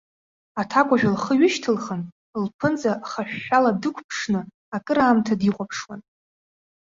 Аҭакәажә лхы ҩышьҭылхын, лԥынҵа хашәшәала дықәԥшны, акыраамҭа дихәаԥшуан.